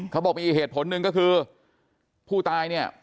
เขาบอกมีอีกเหตุผลหนึ่งก็คือผู้ตายเนี่ย